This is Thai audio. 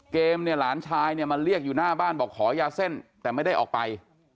เนี่ยหลานชายเนี่ยมาเรียกอยู่หน้าบ้านบอกขอยาเส้นแต่ไม่ได้ออกไป